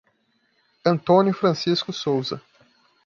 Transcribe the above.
Antônio Francisco Souza